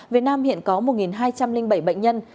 việt nam hiện có một hai trăm linh bảy bệnh nhân